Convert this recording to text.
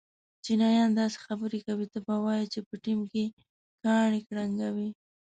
چینایان داسې خبرې کوي ته به وایې چې په ټېم کې کاڼي گړنجوې.